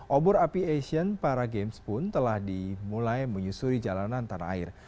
obor api asian para games pun telah dimulai menyusuri jalanan tanah air